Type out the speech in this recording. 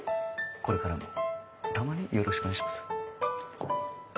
これからもたまによろしくお願いします。